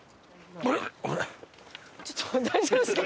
ちょっと大丈夫ですか？